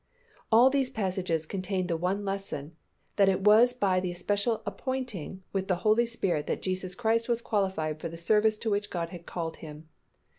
All these passages contain the one lesson, that it was by the especial anointing with the Holy Spirit that Jesus Christ was qualified for the service to which God had called Him.